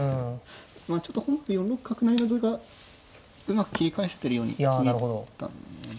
ちょっと本譜４六角成の図がうまく切り返せてるように見えたんで。